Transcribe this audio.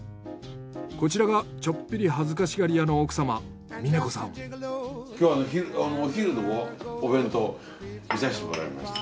こちらがちょっぴり恥ずかしがり屋の今日お昼のお弁当見させてもらいました。